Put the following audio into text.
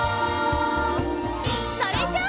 それじゃあ！